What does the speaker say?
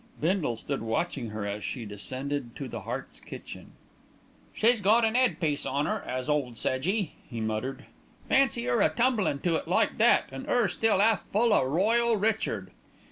Bindle stood watching her as she descended to the Harts' kitchen. "She's got an 'ead piece on 'er, 'as ole Sedgy," he muttered. "Fancy 'er a tumblin' to it like that, an' 'er still 'alf full o' Royal Richard."